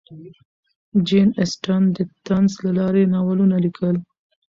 جین اسټن د طنز له لارې ناولونه لیکل.